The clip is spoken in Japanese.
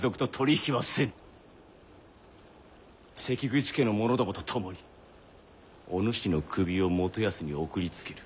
関口家の者どもと共にお主の首を元康に送りつける。